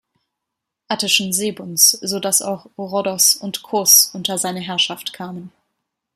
Attischen Seebunds, sodass auch Rhodos und Kos unter seine Herrschaft kamen.